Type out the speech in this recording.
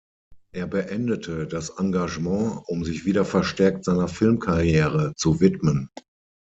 Er beendete das Engagement, um sich wieder verstärkt seiner Filmkarriere zu widmen.